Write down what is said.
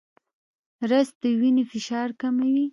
رس د وینې فشار کموي